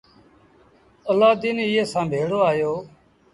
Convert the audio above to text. الآدين ايئي سآݩ ڀيڙو آيو۔